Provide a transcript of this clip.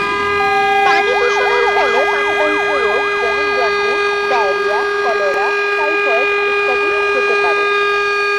পানিদূষণের ফলে পানিবাহিত রোগ যেমন জন্ডিস, ডায়রিয়া, কলেরা, টাইফয়েড ইত্যাদি হতে পারে।